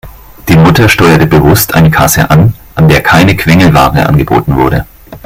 Die Mutter steuerte bewusst eine Kasse an, an der keine Quengelware angeboten wurde.